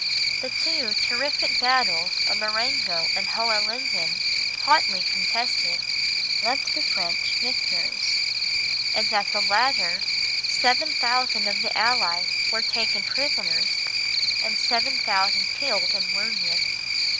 The two terrific battles of Marengo and Hohenlinden, hotly contested, left the French victors; and at the latter seven thousand of the Allies were taken prisoners, and seven thousand killed and wounded.